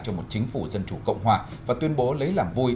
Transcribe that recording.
cho một chính phủ dân chủ cộng hòa và tuyên bố lấy làm vui